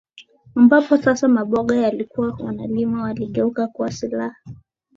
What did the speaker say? ambapo sasa maboga waliyokuwa wanalima yaligeuka kuwa silaha